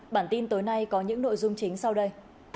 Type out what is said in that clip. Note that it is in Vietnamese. bản tin tối nay có những nội dung chính sau đây